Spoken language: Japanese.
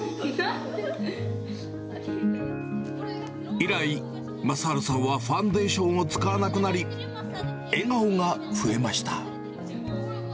以来、雅治さんはファンデーションを使わなくなり、笑顔が増えました。